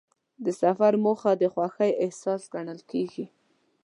د سفر موخه د خوښۍ احساس ګڼل کېږي.